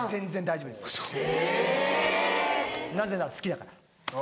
なぜなら好きだから。